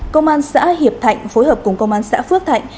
công an xã hiệp thạnh phối hợp cùng công an xã phước thạnh